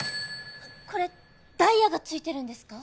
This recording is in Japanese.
これダイヤが付いてるんですか？